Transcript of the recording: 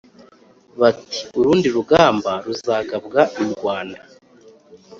Bati"urundi rugamba ruzagabwa i rwanda